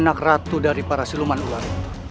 tanak ratu dari para seluman ular